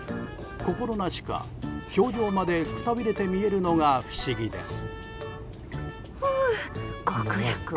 心なしか表情までくたびれて見えるのが不思議です。